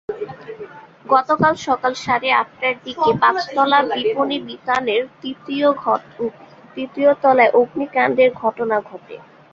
গতকাল সকাল সাড়ে আটটার দিকে পাঁচতলা বিপণিবিতানের তৃতীয় তলায় অগ্নিকাণ্ডের ঘটনা ঘটে।